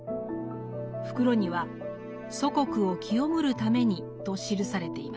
袋には「祖国を潔むる為に！」と記されています。